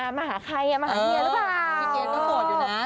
ขอให้มาหาเคยมาหาเมียหรอบ่าว